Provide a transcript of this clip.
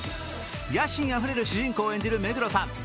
野心あふれる主人公を演じる目黒さん。